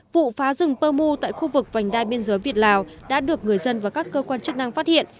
vụ phá rừng pơ mu tại khu vực vành đai biên giới việt lào đã được người dân và các cơ quan chức năng phát hiện